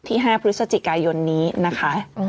ที่๕พฤศจิกายนนะคะ